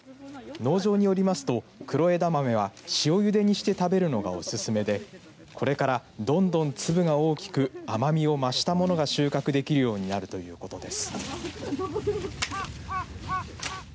農場によりますと、黒枝豆は塩ゆでにして食べるのがおすすめでこれからどんどん粒が大きく甘みを増したものが収穫できるようになるということです。